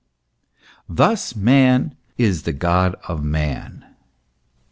Thus man is the God of man.